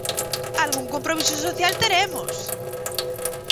¡Algún compromiso social teremos!